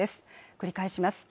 繰り返します